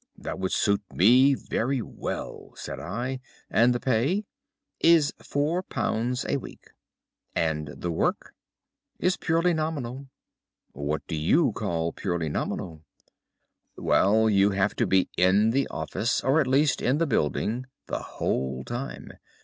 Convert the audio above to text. "'That would suit me very well,' said I. 'And the pay?' "'Is £ 4 a week.' "'And the work?' "'Is purely nominal.' "'What do you call purely nominal?' "'Well, you have to be in the office, or at least in the building, the whole time.